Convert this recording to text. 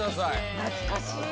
懐かしい。